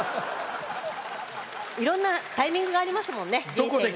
いろんなタイミングがありますよね、人生には。